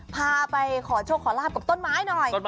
พาไปขอโชคขอลาบกับต้นไม้หน่อย